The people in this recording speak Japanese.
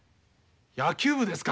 野球部ですか。